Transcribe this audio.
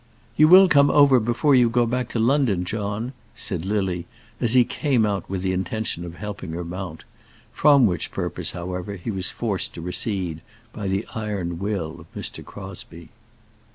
"You will come over before you go back to London, John?" said Lily, as he came out with the intention of helping her mount, from which purpose, however, he was forced to recede by the iron will of Mr. Crosbie.